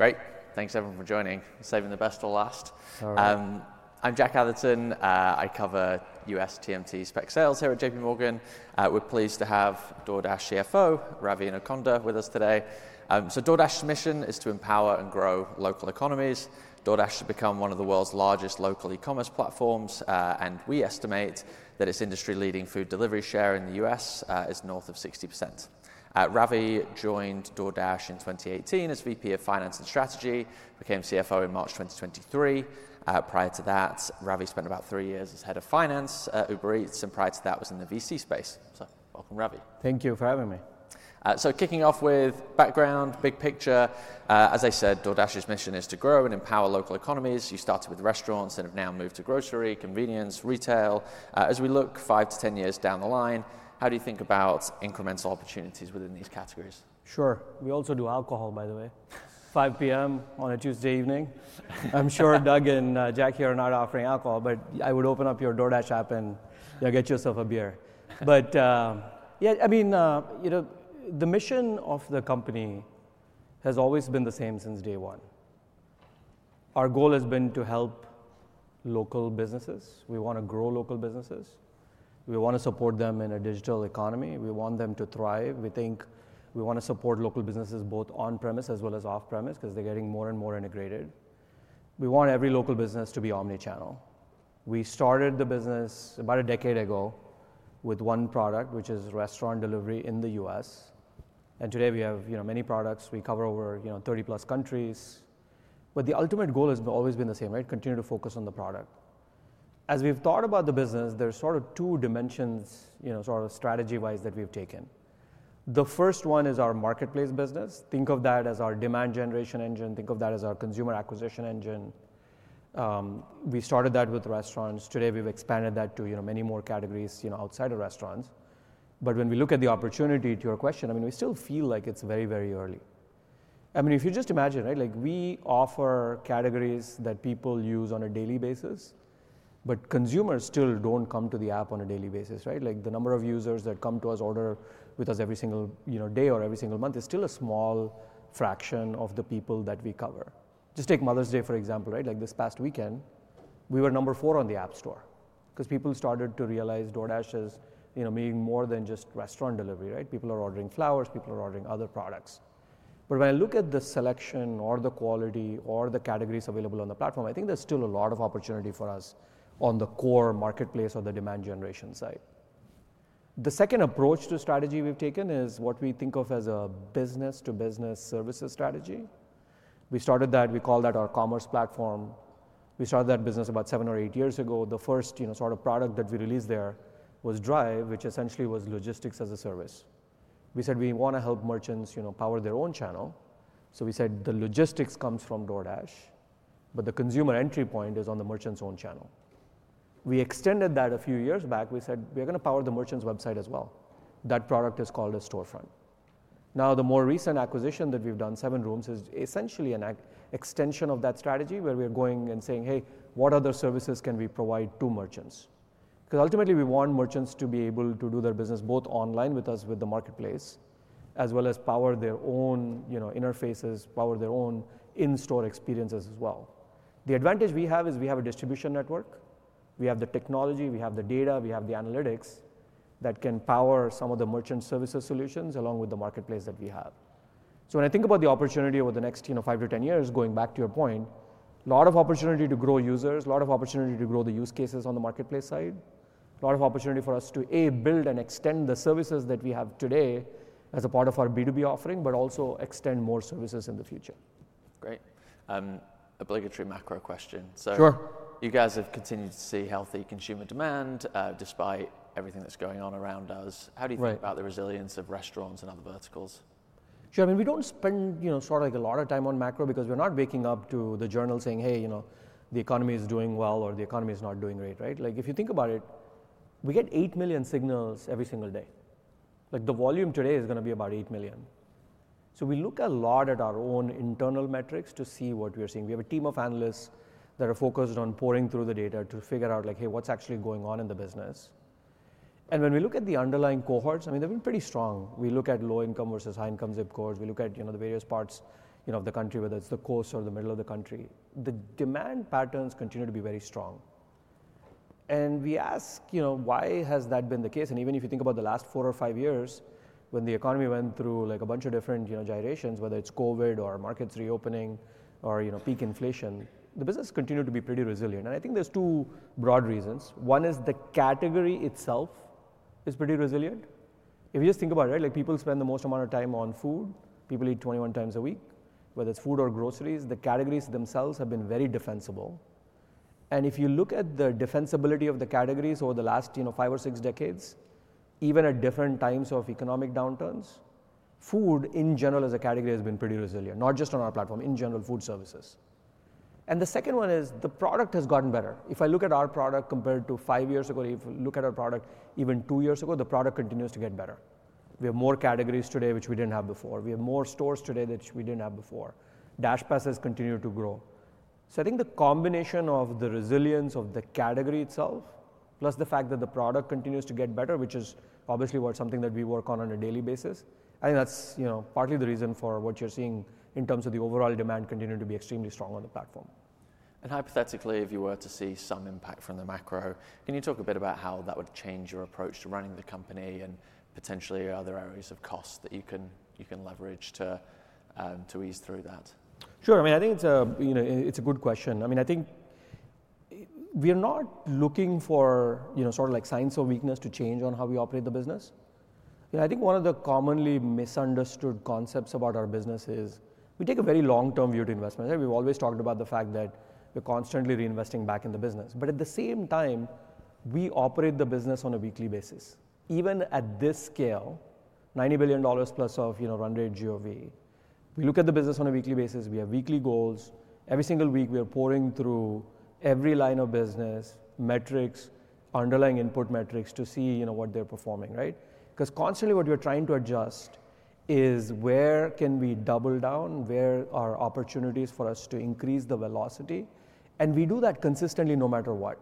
Great. Thanks, everyone, for joining. Saving the best for last. All right. I'm Jack Adarkar. I cover U.S. TMT spec sales here at J.P. Morgan. We're pleased to have DoorDash CFO Ravi Inukonda with us today. DoorDash's mission is to empower and grow local economies. DoorDash should become one of the world's largest local e-commerce platforms. We estimate that its industry-leading food delivery share in the U.S. is north of 60%. Ravi joined DoorDash in 2018 as VP of Finance and Strategy, became CFO in March 2023. Prior to that, Ravi spent about three years as head of finance at Uber Eats, and prior to that was in the VC space. Welcome, Ravi. Thank you for having me. Kicking off with background, big picture. As I said, DoorDash's mission is to grow and empower local economies. You started with restaurants and have now moved to grocery, convenience, retail. As we look 5 to 10 years down the line, how do you think about incremental opportunities within these categories? Sure. We also do alcohol, by the way. 5:00 P.M. on a Tuesday evening. I'm sure Doug and Jack here are not offering alcohol, but I would open up your DoorDash app and, you know, get yourself a beer. But, yeah, I mean, you know, the mission of the company has always been the same since day one. Our goal has been to help local businesses. We want to grow local businesses. We want to support them in a digital economy. We want them to thrive. We think we want to support local businesses both on-premise as well as off-premise because they're getting more and more integrated. We want every local business to be omnichannel. We started the business about a decade ago with one product, which is restaurant delivery in the U.S.. And today we have, you know, many products. We cover over, you know, 30-plus countries. The ultimate goal has always been the same, right? Continue to focus on the product. As we've thought about the business, there are sort of two dimensions, you know, sort of strategy-wise that we've taken. The first one is our marketplace business. Think of that as our demand generation engine. Think of that as our consumer acquisition engine. We started that with restaurants. Today we've expanded that to, you know, many more categories, you know, outside of restaurants. When we look at the opportunity to your question, I mean, we still feel like it's very, very early. I mean, if you just imagine, right, like we offer categories that people use on a daily basis, but consumers still do not come to the app on a daily basis, right? Like the number of users that come to us, order with us every single, you know, day or every single month is still a small fraction of the people that we cover. Just take Mother's Day, for example, right? Like this past weekend, we were number four on the App Store because people started to realize DoorDash is, you know, being more than just restaurant delivery, right? People are ordering flowers. People are ordering other products. When I look at the selection or the quality or the categories available on the platform, I think there's still a lot of opportunity for us on the core marketplace or the demand generation side. The second approach to strategy we've taken is what we think of as a business-to-business services strategy. We started that. We call that our commerce platform. We started that business about seven or eight years ago. The first, you know, sort of product that we released there was Drive, which essentially was logistics as a service. We said we want to help merchants, you know, power their own channel. We said the logistics comes from DoorDash, but the consumer entry point is on the merchant's own channel. We extended that a few years back. We said we are going to power the merchant's website as well. That product is called Storefront. Now, the more recent acquisition that we've done, SevenRooms, is essentially an extension of that strategy where we're going and saying, "Hey, what other services can we provide to merchants?" Because ultimately we want merchants to be able to do their business both online with us, with the marketplace, as well as power their own, you know, interfaces, power their own in-store experiences as well. The advantage we have is we have a distribution network. We have the technology. We have the data. We have the analytics that can power some of the merchant services solutions along with the marketplace that we have. When I think about the opportunity over the next, you know, five to ten years, going back to your point, a lot of opportunity to grow users, a lot of opportunity to grow the use cases on the marketplace side, a lot of opportunity for us to, A, build and extend the services that we have today as a part of our B2B offering, but also extend more services in the future. Great. Obligatory macro question. So. Sure. You guys have continued to see healthy consumer demand, despite everything that's going on around us. How do you think about the resilience of restaurants and other verticals? Sure. I mean, we don't spend, you know, sort of like a lot of time on macro because we're not waking up to the journal saying, "Hey, you know, the economy is doing well," or "The economy is not doing great," right? Like if you think about it, we get 8 million signals every single day. Like the volume today is going to be about 8 million. We look a lot at our own internal metrics to see what we are seeing. We have a team of analysts that are focused on poring through the data to figure out, like, "Hey, what's actually going on in the business?" When we look at the underlying cohorts, I mean, they've been pretty strong. We look at low-income versus high-income zip codes. We look at, you know, the various parts, you know, of the country, whether it is the coast or the middle of the country. The demand patterns continue to be very strong. We ask, you know, why has that been the case? Even if you think about the last four or five years when the economy went through like a bunch of different, you know, gyrations, whether it is COVID or markets reopening or, you know, peak inflation, the business continued to be pretty resilient. I think there are two broad reasons. One is the category itself is pretty resilient. If you just think about it, right, like people spend the most amount of time on food. People eat 21 times a week, whether it is food or groceries. The categories themselves have been very defensible. If you look at the defensibility of the categories over the last, you know, five or six decades, even at different times of economic downturns, food in general as a category has been pretty resilient, not just on our platform, in general, food services. The second one is the product has gotten better. If I look at our product compared to five years ago, if you look at our product even two years ago, the product continues to get better. We have more categories today, which we did not have before. We have more stores today that we did not have before. DashPasses continue to grow. I think the combination of the resilience of the category itself, plus the fact that the product continues to get better, which is obviously something that we work on on a daily basis, I think that's, you know, partly the reason for what you're seeing in terms of the overall demand continuing to be extremely strong on the platform. Hypothetically, if you were to see some impact from the macro, can you talk a bit about how that would change your approach to running the company and potentially other areas of cost that you can leverage to ease through that? Sure. I mean, I think it's a, you know, it's a good question. I mean, I think we are not looking for, you know, sort of like signs of weakness to change on how we operate the business. You know, I think one of the commonly misunderstood concepts about our business is we take a very long-term view to investments. We've always talked about the fact that we're constantly reinvesting back in the business. At the same time, we operate the business on a weekly basis. Even at this scale, $90 billion plus of, you know, run rate GOV, we look at the business on a weekly basis. We have weekly goals. Every single week we are poring through every line of business metrics, underlying input metrics to see, you know, what they're performing, right? Because constantly what we're trying to adjust is where can we double down, where are opportunities for us to increase the velocity? We do that consistently no matter what.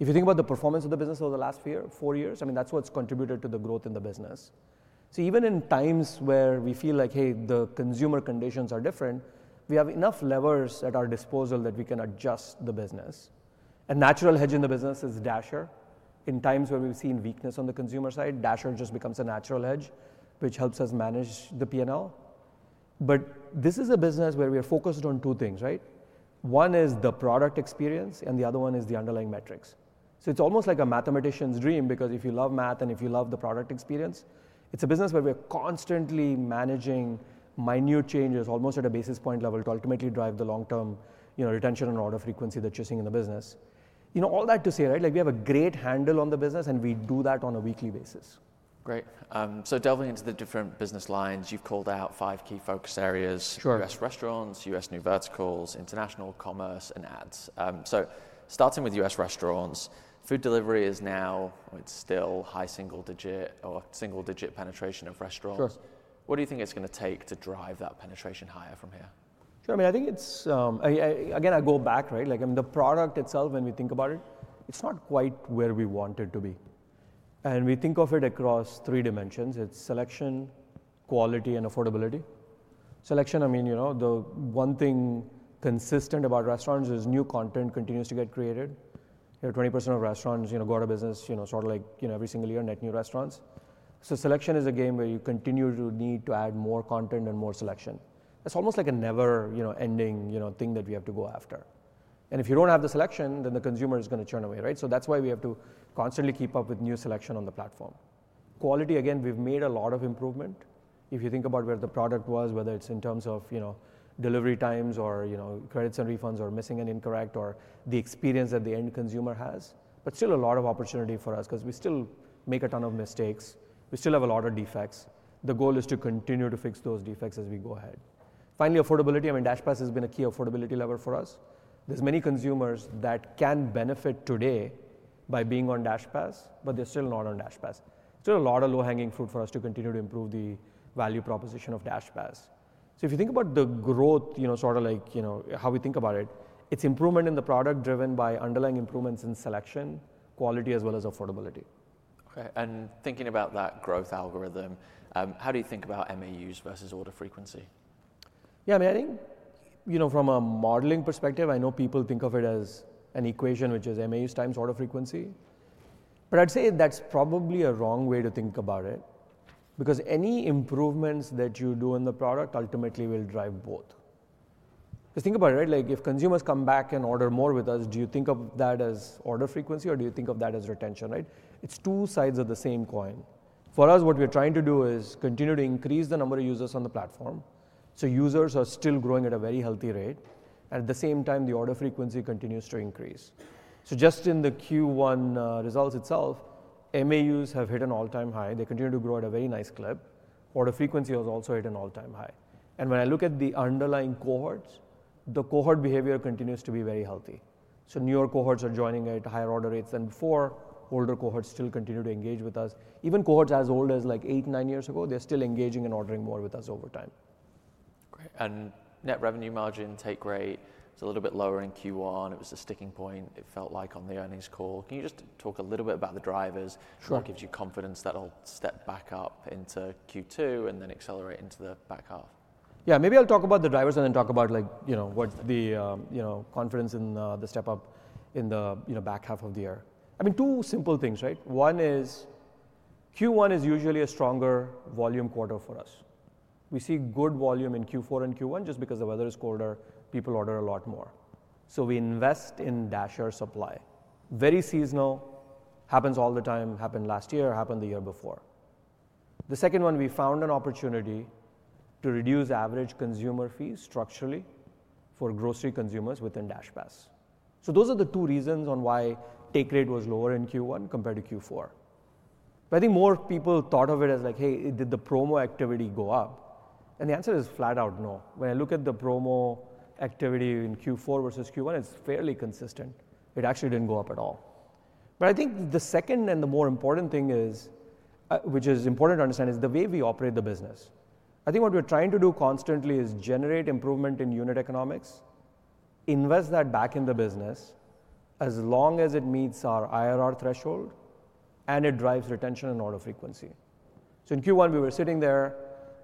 If you think about the performance of the business over the last four years, I mean, that's what's contributed to the growth in the business. Even in times where we feel like, hey, the consumer conditions are different, we have enough levers at our disposal that we can adjust the business. A natural hedge in the business is Dasher. In times where we've seen weakness on the consumer side, Dasher just becomes a natural hedge, which helps us manage the P&L. This is a business where we are focused on two things, right? One is the product experience, and the other one is the underlying metrics. It's almost like a mathematician's dream because if you love math and if you love the product experience, it's a business where we're constantly managing minute changes almost at a basis point level to ultimately drive the long-term, you know, retention and order frequency that you're seeing in the business. You know, all that to say, right, like we have a great handle on the business, and we do that on a weekly basis. Great. So delving into the different business lines, you've called out five key focus areas. Sure. U.S. restaurants, U.S. new verticals, international commerce, and ads. Starting with U.S. restaurants, food delivery is now, it's still high single-digit or single-digit penetration of restaurants. Sure. What do you think it's going to take to drive that penetration higher from here? Sure. I mean, I think it's, again, I go back, right? Like I mean, the product itself, when we think about it, it's not quite where we want it to be. And we think of it across three dimensions. It's selection, quality, and affordability. Selection, I mean, you know, the one thing consistent about restaurants is new content continues to get created. You know, 20% of restaurants, you know, go out of business, you know, sort of like, you know, every single year, net new restaurants. So selection is a game where you continue to need to add more content and more selection. It's almost like a never-ending, you know, thing that we have to go after. If you don't have the selection, then the consumer is going to turn away, right? That is why we have to constantly keep up with new selection on the platform. Quality, again, we've made a lot of improvement. If you think about where the product was, whether it's in terms of, you know, delivery times or, you know, credits and refunds or missing and incorrect or the experience that the end consumer has, but still a lot of opportunity for us because we still make a ton of mistakes. We still have a lot of defects. The goal is to continue to fix those defects as we go ahead. Finally, affordability. I mean, DashPass has been a key affordability lever for us. There are many consumers that can benefit today by being on DashPass, but they're still not on DashPass. A lot of low-hanging fruit for us to continue to improve the value proposition of DashPass. If you think about the growth, you know, sort of like, you know, how we think about it, it's improvement in the product driven by underlying improvements in selection, quality, as well as affordability. Okay. Thinking about that growth algorithm, how do you think about MAUs versus order frequency? Yeah. I mean, I think, you know, from a modeling perspective, I know people think of it as an equation, which is MAUs times order frequency. But I'd say that's probably a wrong way to think about it because any improvements that you do in the product ultimately will drive both. Because think about it, right? Like if consumers come back and order more with us, do you think of that as order frequency or do you think of that as retention, right? It's two sides of the same coin. For us, what we're trying to do is continue to increase the number of users on the platform. Users are still growing at a very healthy rate. At the same time, the order frequency continues to increase. Just in the Q1 results itself, MAUs have hit an all-time high. They continue to grow at a very nice clip. Order frequency has also hit an all-time high. When I look at the underlying cohorts, the cohort behavior continues to be very healthy. Newer cohorts are joining at higher order rates than before. Older cohorts still continue to engage with us. Even cohorts as old as eight, nine years ago, they are still engaging and ordering more with us over time. Okay. Net revenue margin take rate was a little bit lower in Q1. It was a sticking point, it felt like, on the earnings call. Can you just talk a little bit about the drivers? Sure. What gives you confidence that it'll step back up into Q2 and then accelerate into the back half? Yeah. Maybe I'll talk about the drivers and then talk about, like, you know, what the, you know, confidence in the step up in the, you know, back half of the year. I mean, two simple things, right? One is Q1 is usually a stronger volume quarter for us. We see good volume in Q4 and Q1 just because the weather is colder. People order a lot more. So we invest in Dasher supply. Very seasonal. Happens all the time. Happened last year. Happened the year before. The second one, we found an opportunity to reduce average consumer fees structurally for grocery consumers within DashPass. So those are the two reasons on why take rate was lower in Q1 compared to Q4. I think more people thought of it as like, "Hey, did the promo activity go up?" The answer is flat out no. When I look at the promo activity in Q4 versus Q1, it's fairly consistent. It actually didn't go up at all. I think the second and the more important thing is, which is important to understand is the way we operate the business. I think what we're trying to do constantly is generate improvement in unit economics, invest that back in the business as long as it meets our IRR threshold and it drives retention and order frequency. In Q1, we were sitting there.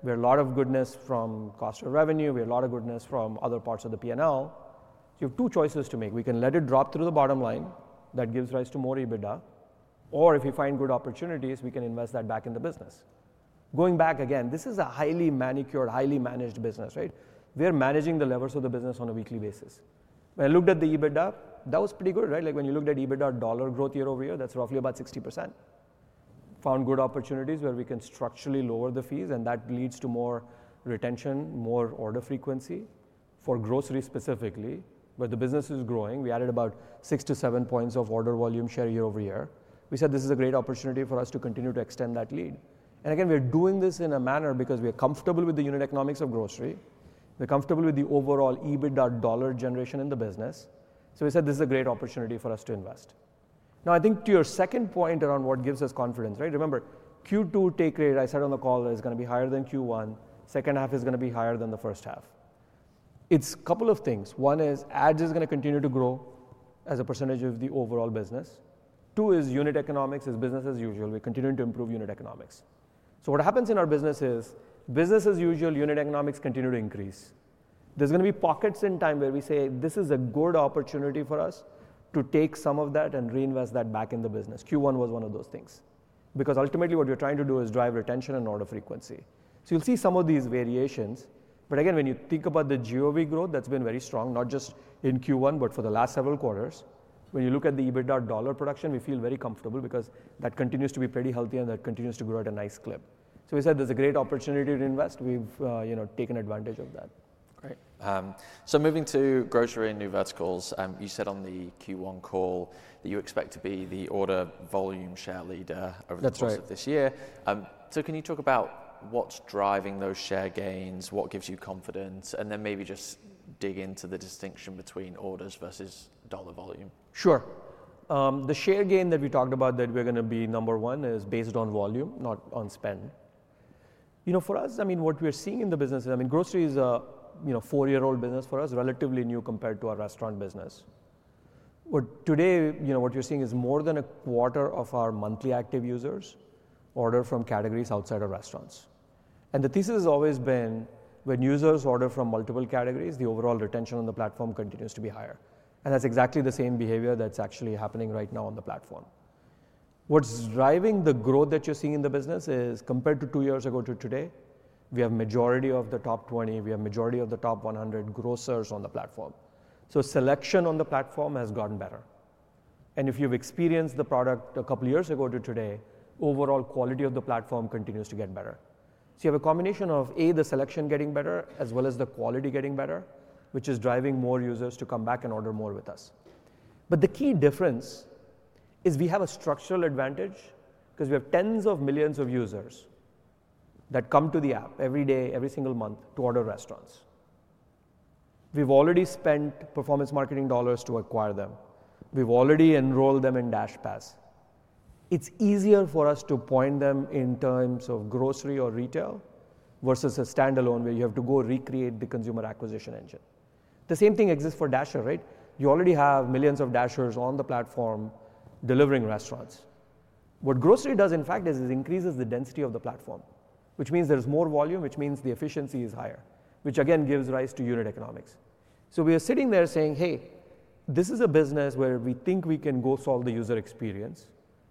We had a lot of goodness from cost of revenue. We had a lot of goodness from other parts of the P&L. You have two choices to make. We can let it drop through the bottom line that gives rise to more EBITDA. Or if we find good opportunities, we can invest that back in the business. Going back again, this is a highly manicured, highly managed business, right? We are managing the levers of the business on a weekly basis. When I looked at the EBITDA, that was pretty good, right? Like when you looked at EBITDA dollar growth year over year, that's roughly about 60%. Found good opportunities where we can structurally lower the fees, and that leads to more retention, more order frequency. For grocery specifically, where the business is growing, we added about six to seven percentage points of order volume share year over year. We said this is a great opportunity for us to continue to extend that lead. Again, we're doing this in a manner because we are comfortable with the unit economics of grocery. We're comfortable with the overall EBITDA dollar generation in the business. We said this is a great opportunity for us to invest. Now, I think to your second point around what gives us confidence, right? Remember, Q2 take rate, I said on the call, is going to be higher than Q1. Second half is going to be higher than the first half. It's a couple of things. One is ads is going to continue to grow as a percentage of the overall business. Two is unit economics is business as usual. We're continuing to improve unit economics. What happens in our business is business as usual, unit economics continue to increase. There's going to be pockets in time where we say this is a good opportunity for us to take some of that and reinvest that back in the business. Q1 was one of those things. Because ultimately what we're trying to do is drive retention and order frequency. You'll see some of these variations. Again, when you think about the GOV growth, that's been very strong, not just in Q1, but for the last several quarters. When you look at the EBITDA dollar production, we feel very comfortable because that continues to be pretty healthy and that continues to grow at a nice clip. We said there's a great opportunity to invest. We've, you know, taken advantage of that. Great. So moving to grocery and new verticals, you said on the Q1 call that you expect to be the order volume share leader over the course of this year. That's right. Can you talk about what's driving those share gains, what gives you confidence, and then maybe just dig into the distinction between orders versus dollar volume? Sure. The share gain that we talked about that we're going to be number one is based on volume, not on spend. You know, for us, I mean, what we're seeing in the business is, I mean, grocery is a, you know, four-year-old business for us, relatively new compared to our restaurant business. Today, you know, what you're seeing is more than a quarter of our monthly active users order from categories outside of restaurants. The thesis has always been when users order from multiple categories, the overall retention on the platform continues to be higher. That's exactly the same behavior that's actually happening right now on the platform. What's driving the growth that you're seeing in the business is compared to two years ago to today, we have majority of the top 20, we have majority of the top 100 grocers on the platform. Selection on the platform has gotten better. If you've experienced the product a couple of years ago to today, overall quality of the platform continues to get better. You have a combination of, A, the selection getting better, as well as the quality getting better, which is driving more users to come back and order more with us. The key difference is we have a structural advantage because we have tens of millions of users that come to the app every day, every single month to order restaurants. We've already spent performance marketing dollars to acquire them. We've already enrolled them in DashPass. It's easier for us to point them in terms of grocery or retail versus a standalone where you have to go recreate the consumer acquisition engine. The same thing exists for Dasher, right? You already have millions of Dashers on the platform delivering restaurants. What grocery does, in fact, is it increases the density of the platform, which means there is more volume, which means the efficiency is higher, which again gives rise to unit economics. We are sitting there saying, "Hey, this is a business where we think we can go solve the user experience.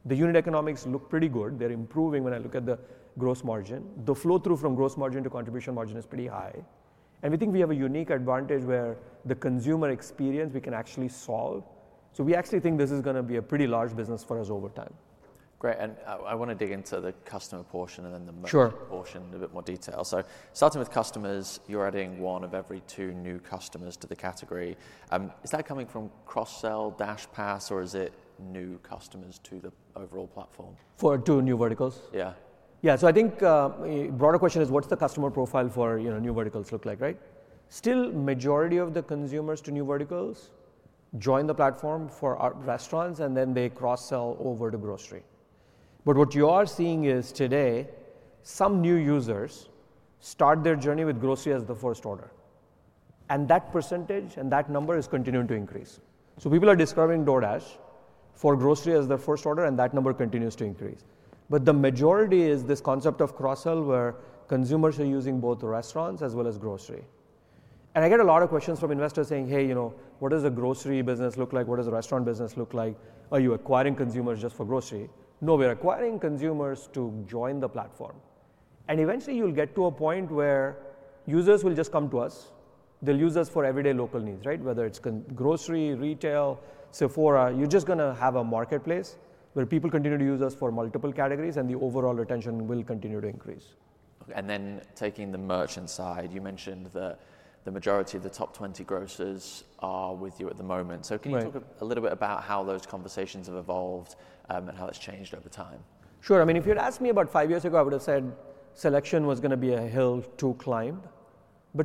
The unit economics look pretty good. They are improving when I look at the gross margin. The flow through from gross margin to contribution margin is pretty high. We think we have a unique advantage where the consumer experience we can actually solve." We actually think this is going to be a pretty large business for us over time. Great. I want to dig into the customer portion and then the merchant portion in a bit more detail. Starting with customers, you're adding one of every two new customers to the category. Is that coming from cross-sell DashPass or is it new customers to the overall platform? For two new verticals? Yeah. Yeah. I think, broader question is what's the customer profile for, you know, new verticals look like, right? Still, majority of the consumers to new verticals join the platform for our restaurants, and then they cross-sell over to grocery. What you are seeing is today, some new users start their journey with grocery as the first order. That percentage and that number is continuing to increase. People are discovering DoorDash for grocery as their first order, and that number continues to increase. The majority is this concept of cross-sell where consumers are using both restaurants as well as grocery. I get a lot of questions from investors saying, "Hey, you know, what does a grocery business look like? What does a restaurant business look like? Are you acquiring consumers just for grocery?" No, we're acquiring consumers to join the platform. You will eventually get to a point where users will just come to us. They will use us for everyday local needs, right? Whether it is grocery, retail, Sephora, you are just going to have a marketplace where people continue to use us for multiple categories and the overall retention will continue to increase. Taking the merchant side, you mentioned that the majority of the top 20 grocers are with you at the moment. Can you talk a little bit about how those conversations have evolved, and how it's changed over time? Sure. I mean, if you'd asked me about five years ago, I would have said selection was going to be a hill to climb.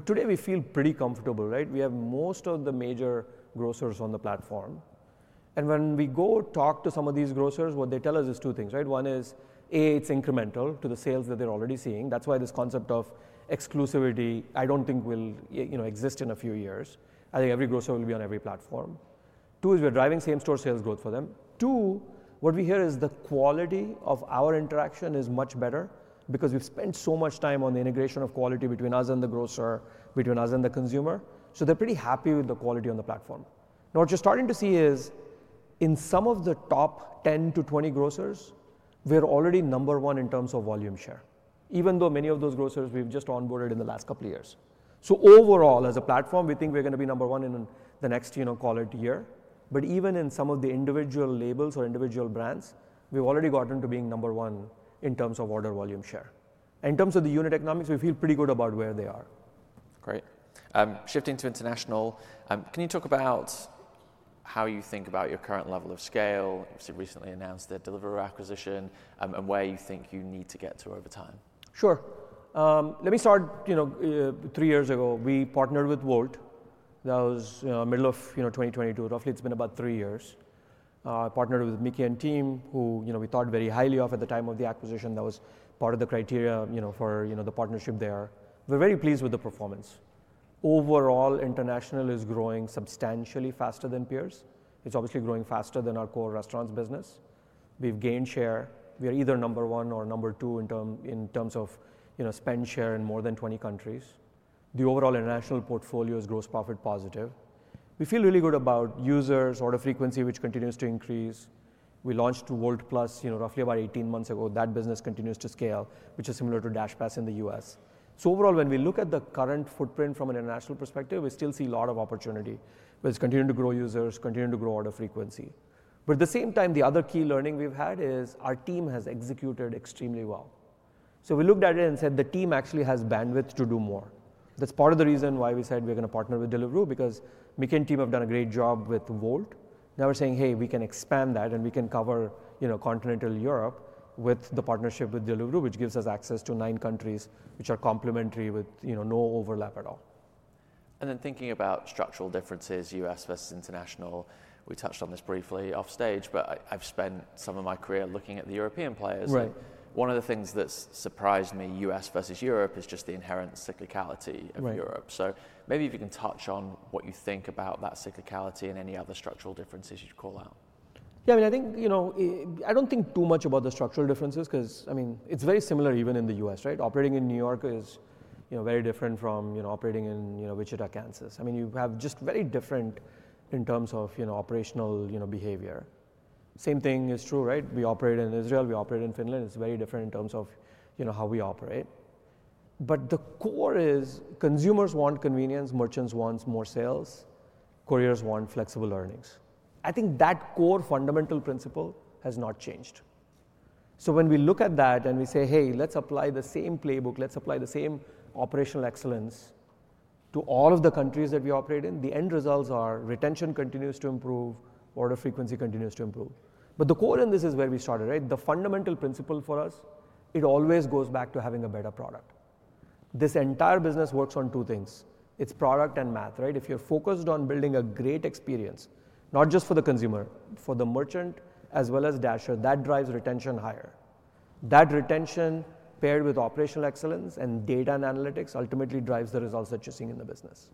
Today we feel pretty comfortable, right? We have most of the major grocers on the platform. When we go talk to some of these grocers, what they tell us is two things, right? One is, A, it's incremental to the sales that they're already seeing. That's why this concept of exclusivity, I don't think will, you know, exist in a few years. I think every grocer will be on every platform. Two is we're driving same-store sales growth for them. Two, what we hear is the quality of our interaction is much better because we've spent so much time on the integration of quality between us and the grocer, between us and the consumer. They are pretty happy with the quality on the platform. Now what you're starting to see is in some of the top 10-20 grocers, we're already number one in terms of volume share, even though many of those grocers we've just onboarded in the last couple of years. Overall, as a platform, we think we're going to be number one in the next, you know, call it year. Even in some of the individual labels or individual brands, we've already gotten to being number one in terms of order volume share. In terms of the unit economics, we feel pretty good about where they are. Great. Shifting to international, can you talk about how you think about your current level of scale? Obviously, recently announced their Deliveroo acquisition, and where you think you need to get to over time. Sure. Let me start, you know, three years ago, we partnered with Wolt. That was, you know, middle of, you know, 2022. Roughly, it's been about three years. I partnered with Miki and team who, you know, we thought very highly of at the time of the acquisition. That was part of the criteria, you know, for, you know, the partnership there. We're very pleased with the performance. Overall, international is growing substantially faster than peers. It's obviously growing faster than our core restaurants business. We've gained share. We are either number one or number two in terms of, you know, spend share in more than 20 countries. The overall international portfolio is gross profit positive. We feel really good about users, order frequency, which continues to increase. We launched Wolt Plus, you know, roughly about 18 months ago. That business continues to scale, which is similar to DashPass in the U.S.. Overall, when we look at the current footprint from an international perspective, we still see a lot of opportunity. We're continuing to grow users, continuing to grow order frequency. At the same time, the other key learning we've had is our team has executed extremely well. We looked at it and said the team actually has bandwidth to do more. That's part of the reason why we said we're going to partner with Deliveroo because Miki and team have done a great job with Wolt. Now we're saying, "Hey, we can expand that and we can cover, you know, continental Europe with the partnership with Deliveroo, which gives us access to nine countries, which are complementary with, you know, no overlap at all. Thinking about structural differences, U.S. versus international, we touched on this briefly off stage, but I've spent some of my career looking at the European players. Right. One of the things that's surprised me, U.S. versus Europe, is just the inherent cyclicality of Europe. Maybe if you can touch on what you think about that cyclicality and any other structural differences you'd call out. Yeah, I mean, I think, you know, I don't think too much about the structural differences because, I mean, it's very similar even in the U.S., right? Operating in New York is, you know, very different from, you know, operating in, you know, Wichita, Kansas. I mean, you have just very different in terms of, you know, operational, you know, behavior. Same thing is true, right? We operate in Israel, we operate in Finland. It's very different in terms of, you know, how we operate. The core is consumers want convenience, merchants want more sales, couriers want flexible earnings. I think that core fundamental principle has not changed. When we look at that and we say, "Hey, let's apply the same playbook, let's apply the same operational excellence to all of the countries that we operate in," the end results are retention continues to improve, order frequency continues to improve. The core in this is where we started, right? The fundamental principle for us, it always goes back to having a better product. This entire business works on two things. It's product and math, right? If you're focused on building a great experience, not just for the consumer, for the merchant as well as Dasher, that drives retention higher. That retention paired with operational excellence and data and analytics ultimately drives the results that you're seeing in the business.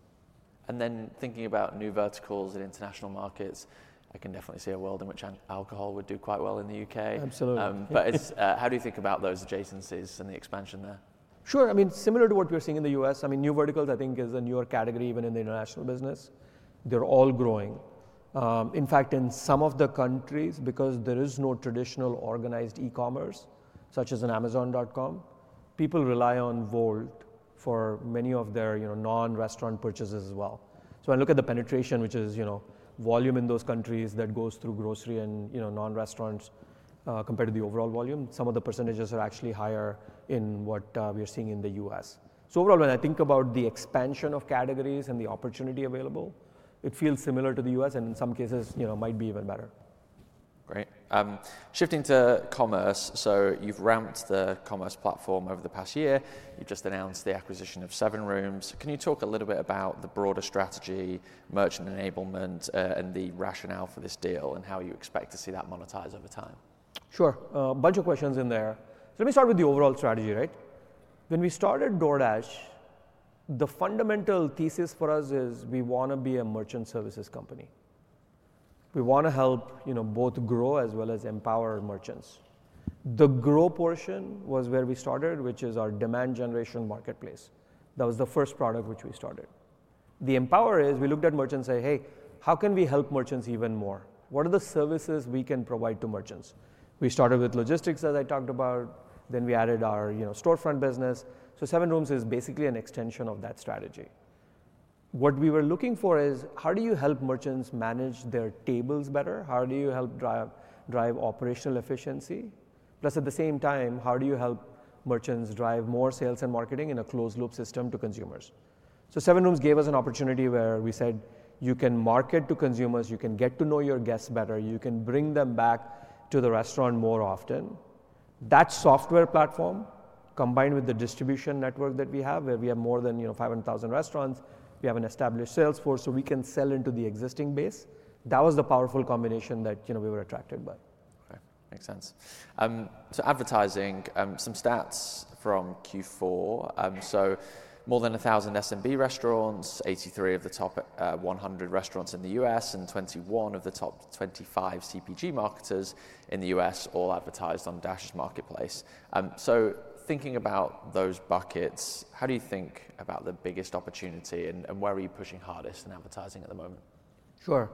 Thinking about new verticals in international markets, I can definitely see a world in which alcohol would do quite well in the U.K. Absolutely. but it's, how do you think about those adjacencies and the expansion there? Sure. I mean, similar to what we're seeing in the U.S., I mean, new verticals I think is a newer category even in the international business. They're all growing. In fact, in some of the countries, because there is no traditional organized e-commerce such as on Amazon.com, people rely on Wolt for many of their, you know, non-restaurant purchases as well. So when I look at the penetration, which is, you know, volume in those countries that goes through grocery and, you know, non-restaurants, compared to the overall volume, some of the percentages are actually higher than what we are seeing in the U.S.. Overall, when I think about the expansion of categories and the opportunity available, it feels similar to the U.S. and in some cases, you know, might be even better. Great. Shifting to commerce. You have ramped the commerce platform over the past year. You have just announced the acquisition of SevenRooms. Can you talk a little bit about the broader strategy, merchant enablement, and the rationale for this deal and how you expect to see that monetized over time? Sure. A bunch of questions in there. Let me start with the overall strategy, right? When we started DoorDash, the fundamental thesis for us is we want to be a merchant services company. We want to help, you know, both grow as well as empower merchants. The grow portion was where we started, which is our demand generation marketplace. That was the first product which we started. The empower is we looked at merchants and said, "Hey, how can we help merchants even more? What are the services we can provide to merchants?" We started with logistics, as I talked about. Then we added our, you know, Storefront business. SevenRooms is basically an extension of that strategy. What we were looking for is how do you help merchants manage their tables better? How do you help drive operational efficiency? Plus, at the same time, how do you help merchants drive more sales and marketing in a closed-loop system to consumers? SevenRooms gave us an opportunity where we said, "You can market to consumers, you can get to know your guests better, you can bring them back to the restaurant more often." That software platform, combined with the distribution network that we have, where we have more than, you know, 500,000 restaurants, we have an established sales force, so we can sell into the existing base. That was the powerful combination that, you know, we were attracted by. Right. Makes sense. So advertising, some stats from Q4. So more than 1,000 SMB restaurants, 83 of the top 100 restaurants in the U.S., and 21 of the top 25 CPG marketers in the U.S., all advertised on Dash Marketplace. So thinking about those buckets, how do you think about the biggest opportunity and where are you pushing hardest in advertising at the moment? Sure.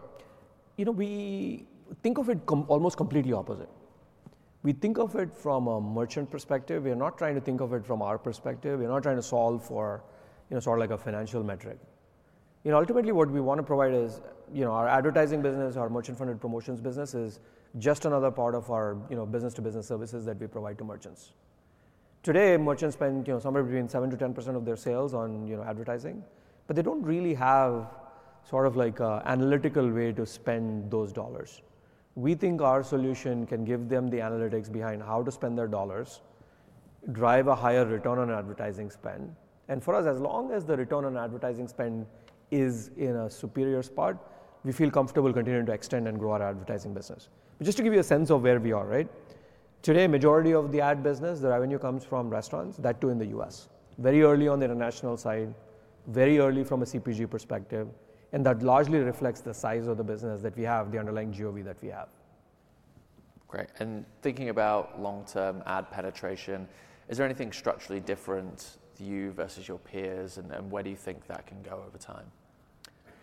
You know, we think of it almost completely opposite. We think of it from a merchant perspective. We are not trying to think of it from our perspective. We're not trying to solve for, you know, sort of like a financial metric. You know, ultimately what we want to provide is, you know, our advertising business, our merchant-funded promotions business is just another part of our, you know, business-to-business services that we provide to merchants. Today, merchants spend, you know, somewhere between 7-10% of their sales on, you know, advertising, but they do not really have sort of like an analytical way to spend those dollars. We think our solution can give them the analytics behind how to spend their dollars, drive a higher return on advertising spend. For us, as long as the return on advertising spend is in a superior spot, we feel comfortable continuing to extend and grow our advertising business. Just to give you a sense of where we are, right? Today, the majority of the ad business, the revenue comes from restaurants, that too in the U.S.. Very early on the international side, very early from a CPG perspective, and that largely reflects the size of the business that we have, the underlying GOV that we have. Great. Thinking about long-term ad penetration, is there anything structurally different for you versus your peers, and where do you think that can go over time?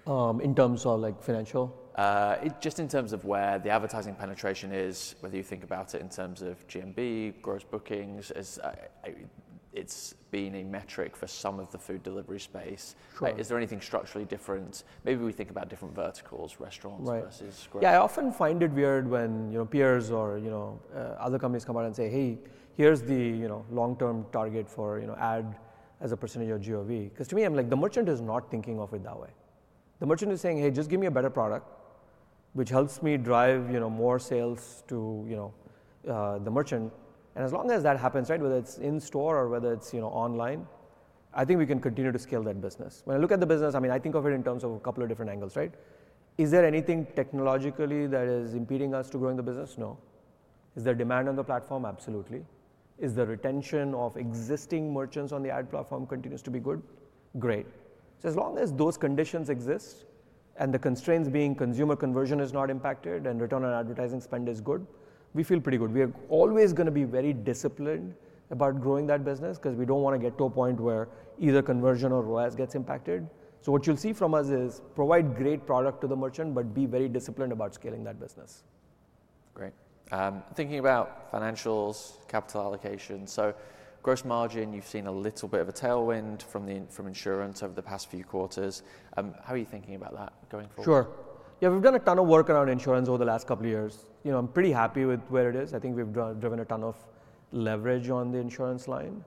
In terms of like financial? just in terms of where the advertising penetration is, whether you think about it in terms of GOV, gross bookings, as it's been a metric for some of the food delivery space. Sure. Is there anything structurally different? Maybe we think about different verticals, restaurants versus grocery. Right. Yeah, I often find it weird when, you know, peers or, you know, other companies come out and say, "Hey, here's the, you know, long-term target for, you know, ad as a percentage of GOV." Because to me, I'm like, the merchant is not thinking of it that way. The merchant is saying, "Hey, just give me a better product, which helps me drive, you know, more sales to, you know, the merchant." As long as that happens, right, whether it's in store or whether it's, you know, online, I think we can continue to scale that business. When I look at the business, I mean, I think of it in terms of a couple of different angles, right? Is there anything technologically that is impeding us to growing the business? No. Is there demand on the platform? Absolutely. Is the retention of existing merchants on the ad platform continues to be good? Great. As long as those conditions exist and the constraints being consumer conversion is not impacted and return on advertising spend is good, we feel pretty good. We are always going to be very disciplined about growing that business because we do not want to get to a point where either conversion or ROAS gets impacted. What you will see from us is provide great product to the merchant, but be very disciplined about scaling that business. Great. Thinking about financials, capital allocation. So gross margin, you've seen a little bit of a tailwind from the insurance over the past few quarters. How are you thinking about that going forward? Sure. Yeah, we've done a ton of work around insurance over the last couple of years. You know, I'm pretty happy with where it is. I think we've driven a ton of leverage on the insurance line.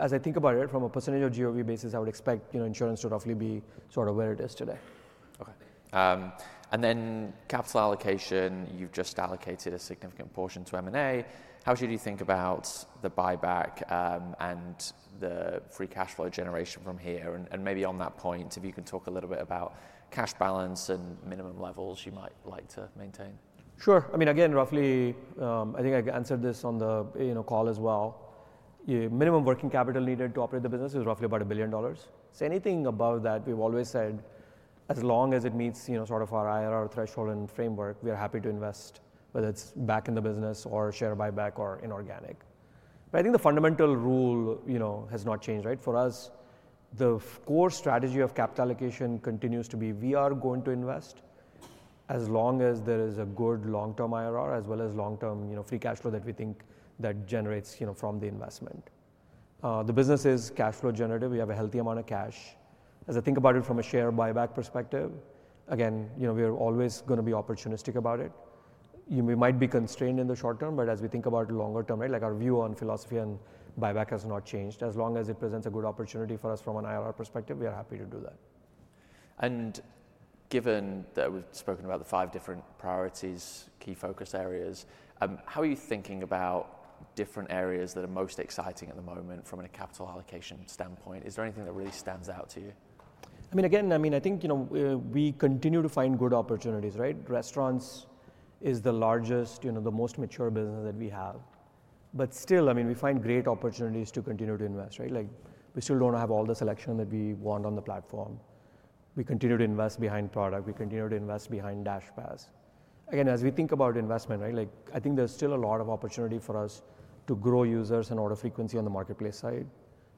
As I think about it from a percentage of GOV basis, I would expect, you know, insurance to roughly be sort of where it is today. Okay. And then capital allocation, you've just allocated a significant portion to M&A. How should you think about the buyback, and the free cash flow generation from here? And maybe on that point, if you can talk a little bit about cash balance and minimum levels you might like to maintain. Sure. I mean, again, roughly, I think I answered this on the, you know, call as well. Minimum working capital needed to operate the business is roughly about $1 billion. So anything above that, we've always said, as long as it meets, you know, sort of our IRR threshold and framework, we are happy to invest, whether it's back in the business or share buyback or inorganic. I think the fundamental rule, you know, has not changed, right? For us, the core strategy of capital allocation continues to be we are going to invest as long as there is a good long-term IRR as well as long-term, you know, free cash flow that we think that generates, you know, from the investment. The business is cash flow generative. We have a healthy amount of cash. As I think about it from a share buyback perspective, again, you know, we are always going to be opportunistic about it. We might be constrained in the short term, but as we think about it longer term, right, like our view on philosophy and buyback has not changed. As long as it presents a good opportunity for us from an IRR perspective, we are happy to do that. Given that we've spoken about the five different priorities, key focus areas, how are you thinking about different areas that are most exciting at the moment from a capital allocation standpoint? Is there anything that really stands out to you? I mean, again, I mean, I think, you know, we continue to find good opportunities, right? Restaurants is the largest, you know, the most mature business that we have. But still, I mean, we find great opportunities to continue to invest, right? Like we still do not have all the selection that we want on the platform. We continue to invest behind product. We continue to invest behind DashPass. Again, as we think about investment, right, like I think there is still a lot of opportunity for us to grow users and order frequency on the marketplace side,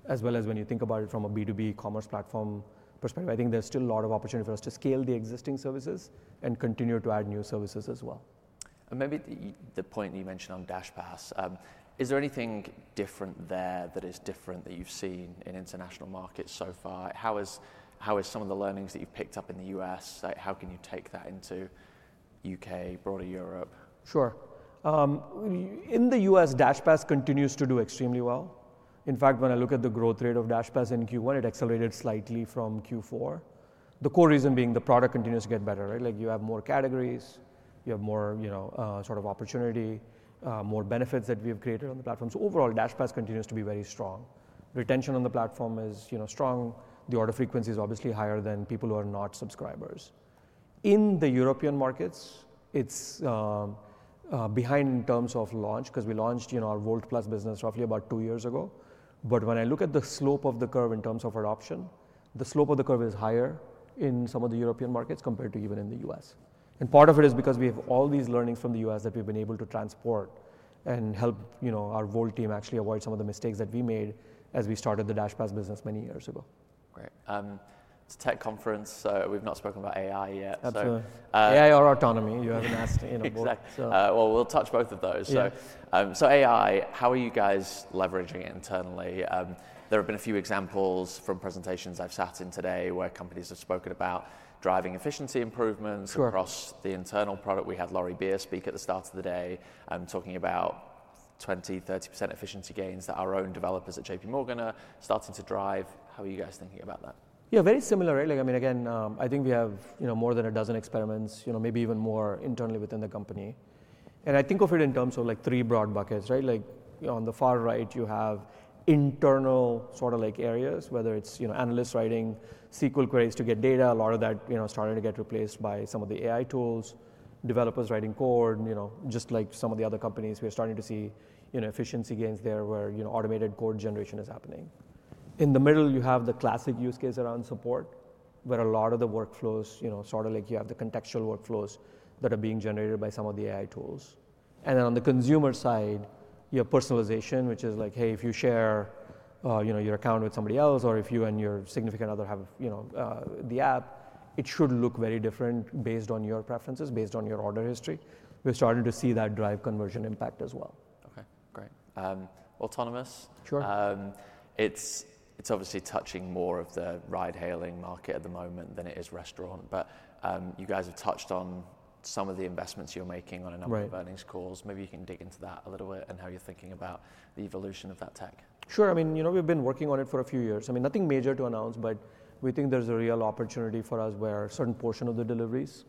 as well as when you think about it from a B2B commerce platform perspective, I think there is still a lot of opportunity for us to scale the existing services and continue to add new services as well. Maybe the point that you mentioned on DashPass, is there anything different there that is different that you've seen in international markets so far? How is, how are some of the learnings that you've picked up in the U.S., like how can you take that into the U.K., broader Europe? Sure. In the U.S., DashPass continues to do extremely well. In fact, when I look at the growth rate of DashPass in Q1, it accelerated slightly from Q4. The core reason being the product continues to get better, right? Like you have more categories, you have more, you know, sort of opportunity, more benefits that we have created on the platform. Overall, DashPass continues to be very strong. Retention on the platform is, you know, strong. The order frequency is obviously higher than people who are not subscribers. In the European markets, it's behind in terms of launch because we launched, you know, our Wolt Plus business roughly about two years ago. When I look at the slope of the curve in terms of adoption, the slope of the curve is higher in some of the European markets compared to even in the U.S. Part of it is because we have all these learnings from the U.S. that we've been able to transport and help, you know, our Wolt team actually avoid some of the mistakes that we made as we started the DashPass business many years ago. Great. It's a tech conference, so we've not spoken about AI yet. That's true. AI or autonomy, you haven't asked, you know. Exactly. So. We'll touch both of those. So, AI, how are you guys leveraging it internally? There have been a few examples from presentations I've sat in today where companies have spoken about driving efficiency improvements. Sure. Across the internal product. We had Laurie Beer speak at the start of the day, talking about 20-30% efficiency gains that our own developers at J.P. Morgan are starting to drive. How are you guys thinking about that? Yeah, very similar, right? Like, I mean, again, I think we have, you know, more than a dozen experiments, you know, maybe even more internally within the company. And I think of it in terms of like three broad buckets, right? Like, you know, on the far right, you have internal sort of like areas, whether it's, you know, analysts writing SQL queries to get data. A lot of that, you know, starting to get replaced by some of the AI tools, developers writing code, you know, just like some of the other companies. We're starting to see, you know, efficiency gains there where, you know, automated code generation is happening. In the middle, you have the classic use case around support, where a lot of the workflows, you know, sort of like you have the contextual workflows that are being generated by some of the AI tools. On the consumer side, you have personalization, which is like, hey, if you share, you know, your account with somebody else or if you and your significant other have, you know, the app, it should look very different based on your preferences, based on your order history. We are starting to see that drive conversion impact as well. Okay. Great. Autonomous. Sure. It's obviously touching more of the ride-hailing market at the moment than it is restaurant. You guys have touched on some of the investments you're making on a number of earnings calls. Maybe you can dig into that a little bit and how you're thinking about the evolution of that tech. Sure. I mean, you know, we've been working on it for a few years. I mean, nothing major to announce, but we think there's a real opportunity for us where a certain portion of the deliveries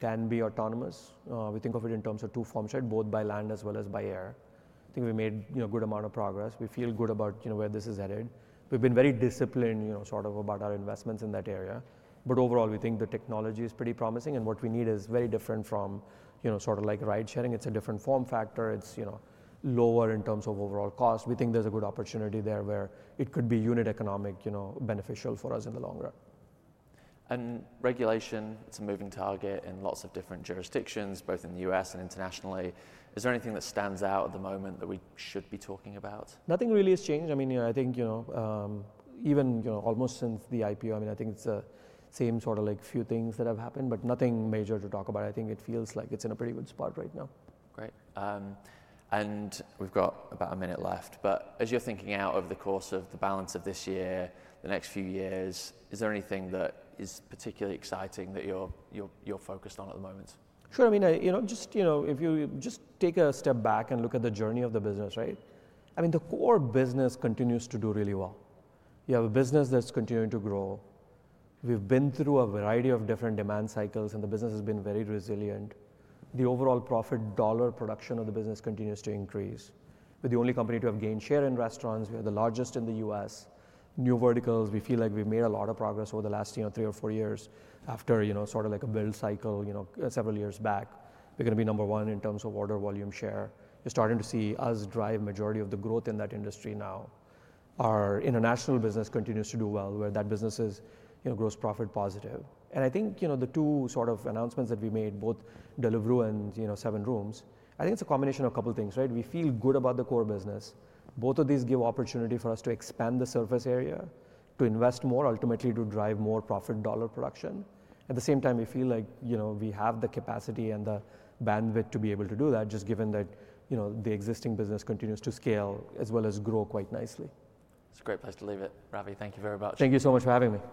can be autonomous. We think of it in terms of two forms, right? Both by land as well as by air. I think we made, you know, a good amount of progress. We feel good about, you know, where this is headed. We've been very disciplined, you know, sort of about our investments in that area. Overall, we think the technology is pretty promising and what we need is very different from, you know, sort of like ride-sharing. It's a different form factor. It's, you know, lower in terms of overall cost. We think there's a good opportunity there where it could be unit economic, you know, beneficial for us in the long run. Regulation, it's a moving target in lots of different jurisdictions, both in the U.S. and internationally. Is there anything that stands out at the moment that we should be talking about? Nothing really has changed. I mean, you know, I think, you know, even, you know, almost since the IPO, I mean, I think it's the same sort of like few things that have happened, but nothing major to talk about. I think it feels like it's in a pretty good spot right now. Great. We have about a minute left, but as you're thinking out over the course of the balance of this year, the next few years, is there anything that is particularly exciting that you're focused on at the moment? Sure. I mean, you know, just, you know, if you just take a step back and look at the journey of the business, right? I mean, the core business continues to do really well. You have a business that's continuing to grow. We've been through a variety of different demand cycles and the business has been very resilient. The overall profit dollar production of the business continues to increase. We're the only company to have gained share in restaurants. We are the largest in the U.S.. New verticals. We feel like we've made a lot of progress over the last, you know, three or four years after, you know, sort of like a build cycle, you know, several years back. We're going to be number one in terms of order volume share. You're starting to see us drive majority of the growth in that industry now. Our international business continues to do well, where that business is, you know, gross profit positive. I think, you know, the two sort of announcements that we made, both Deliveroo and, you know, SevenRooms, I think it's a combination of a couple of things, right? We feel good about the core business. Both of these give opportunity for us to expand the surface area, to invest more, ultimately to drive more profit dollar production. At the same time, we feel like, you know, we have the capacity and the bandwidth to be able to do that, just given that, you know, the existing business continues to scale as well as grow quite nicely. It's a great place to leave it. Ravi, thank you very much. Thank you so much for having me.